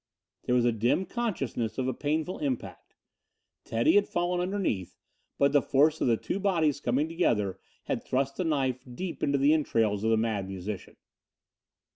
There was a dim consciousness of a painful impact. Teddy had fallen underneath, but the force of the two bodies coming together had thrust the knife deep into the entrails of the Mad Musician.